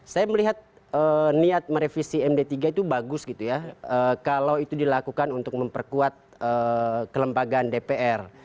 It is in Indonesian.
saya melihat niat merevisi md tiga itu bagus gitu ya kalau itu dilakukan untuk memperkuat kelembagaan dpr